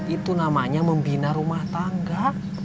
itu namanya membina rumah tangga